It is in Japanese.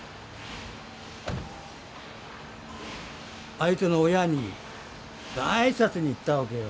相手の親に挨拶に行ったわけよ。